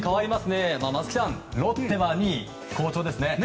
松木さん、ロッテは２位好調ですね。